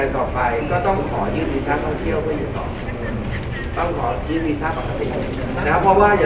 ที่นอกจากการเปิดทีนี้ให้เราไม่รู้สึกว่ามีส่วนเวที